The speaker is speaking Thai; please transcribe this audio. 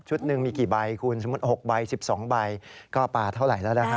หนึ่งมีกี่ใบคุณสมมุติ๖ใบ๑๒ใบก็ปลาเท่าไหร่แล้วนะฮะ